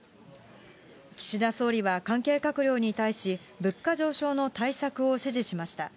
岸田総理は関係閣僚に対し、物価上昇の対策を指示しました。